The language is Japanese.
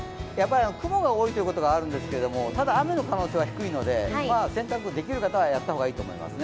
雲が多いということがあるんですけど、雨の可能性は低いので洗濯できる方はやった方がいいと思いますね。